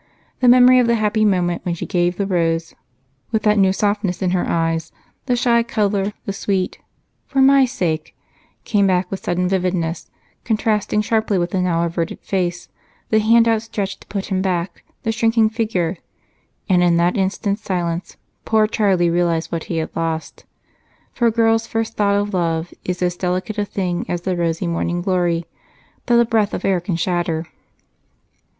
The memory of the happy moment when she gave the rose with that new softness in her eyes, the shy color, the sweet "for my sake" came back with sudden vividness, contrasting sharply with the now averted face, the hand outstretched to put him back, the shrinking figure, and in that instant's silence, poor Charlie realized what he had lost, for a girl's first thought of love is as delicate a thing as the rosy morning glory, which a breath of air can shatter.